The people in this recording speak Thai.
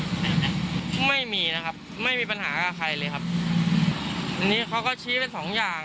เห็นไหมไม่มีนะครับไม่มีปัญหากับใครเลยครับอันนี้เขาก็ชี้ไปสองอย่าง